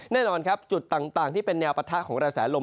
แน่นอนครับจุดต่างที่เป็นแนวปะทะของกระแสลม